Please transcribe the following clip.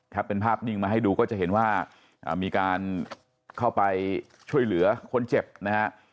ถ้าเป็นภาพนิ่งมาให้ดูก็จะเห็นว่ามีการเข้าไปช่วยเหลือคนเจ็บนะฮะ